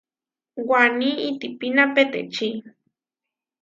Waní itihpíma petečí.